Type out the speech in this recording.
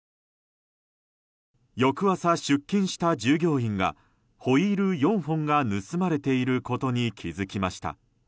翌朝、出勤した従業員がホイール４本が盗まれていることに気づきました。